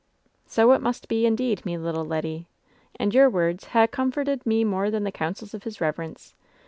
'' "So it must be, indeed, me little leddy. And your words ha' comforted me more than the counsels of his reverence.